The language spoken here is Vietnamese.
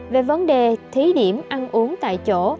về vấn đề thí điểm ăn uống tại chỗ